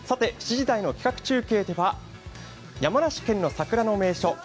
７時台の企画中継では山梨県の桜の名所